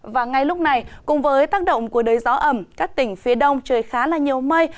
và ngay lúc này cùng với tác động của đới gió ẩm các tỉnh phía đông trời khá là nhiều mây